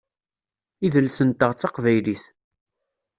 Idles-nteɣ d taqbaylit.